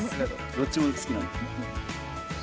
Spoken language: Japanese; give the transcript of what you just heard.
どっちも好きなんで。